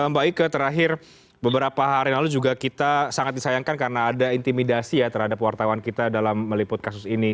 mbak ike terakhir beberapa hari lalu juga kita sangat disayangkan karena ada intimidasi ya terhadap wartawan kita dalam meliput kasus ini